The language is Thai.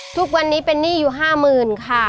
ทุกวันนี้เป็นหนี่อยู่ห้าหมื่นค่ะ